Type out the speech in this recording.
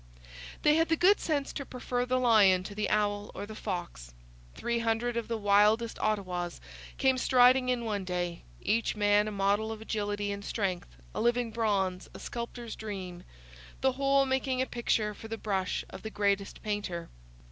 They had the good sense to prefer the lion to the owl or the fox. Three hundred of the wildest Ottawas came striding in one day, each man a model of agility and strength, a living bronze, a sculptor's dream, the whole making a picture for the brush of the greatest painter.